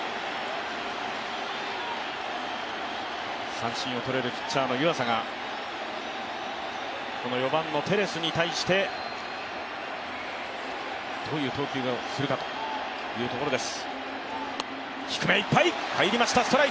三振をとれるピッチャーの湯浅がこの４番のテレスに対してどういう投球をするかというところです。